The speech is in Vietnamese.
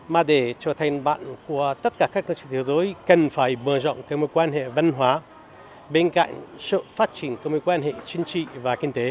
mà để trở thành bạn của tất cả các nước trên thế giới cần phải mở rộng cái mối quan hệ văn hóa bên cạnh sự phát triển các mối quan hệ chính trị và kinh tế